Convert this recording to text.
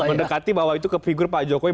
mendekati bahwa itu ke figur pak jokowi